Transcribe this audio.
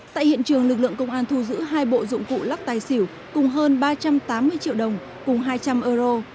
tại hiện trường lực lượng công an thu giữ hai bộ dụng cụ lắc tài xỉu cùng hơn ba trăm tám mươi triệu đồng cùng hai trăm linh euro